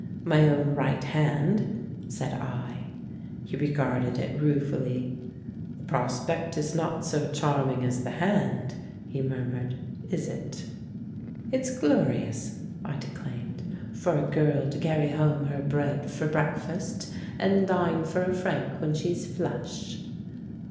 *'My own right hand," said I. He regarded it ruefully. "The prospect is not THE PRINCE IN THE FAIRY TALE 207 so charming as the hand," he murmured, "is it?" "It's glorious," I declaimed, "for a girl to carry home her bread for breakfast, and dine for a franc when she's flush."